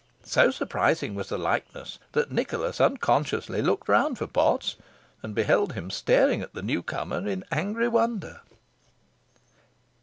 So surprising was the likeness, that Nicholas unconsciously looked round for Potts, and beheld him staring at the new comer in angry wonder.